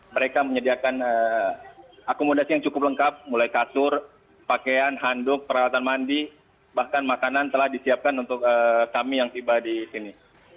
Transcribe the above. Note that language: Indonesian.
mereka menyediakan akomodasi yang cukup lengkap mulai kasur pakaian handuk peralatan mandi bahkan makanan telah disiapkan untuk kami yang tiba di sini